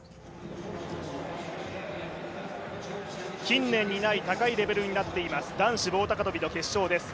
近年にない高いレベルになっています、男子棒高跳の決勝です。